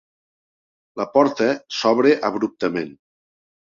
La porta s'obre abruptament.